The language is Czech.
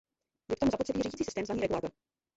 Je k tomu zapotřebí řídicí systém zvaný regulátor.